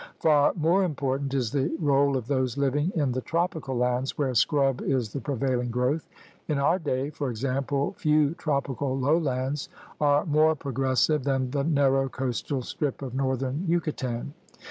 Far more important is the role of those living in the tropical lands where scrub is the prevailing growth. In our day, for example, few tropical lowlands are more pro gressive than the narrow coastal strip of north ern Yucatan.